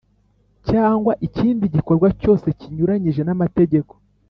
Cyangwa ikindi gikorwa cyose kinyuranyije n’amategeko